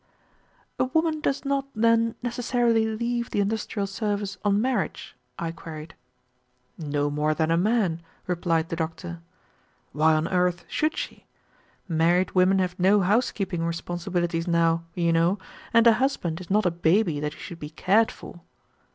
"A woman does not, then, necessarily leave the industrial service on marriage?" I queried. "No more than a man," replied the doctor. "Why on earth should she? Married women have no housekeeping responsibilities now, you know, and a husband is not a baby that he should be cared for."